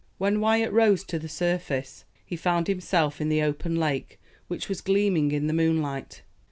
When Wyat rose to the surface, he found himself in the open lake, which was gleaming in the moonlight.